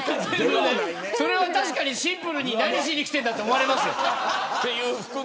それは、確かにシンプルに何しに来てるんだと思われますよ。